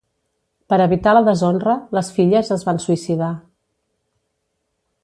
Per evitar la deshonra les filles es van suïcidar.